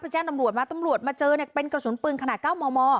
ไปแจ้งตำรวจมาตำรวจมาเจอเป็นกระสุนปืนขนาดเก้ามม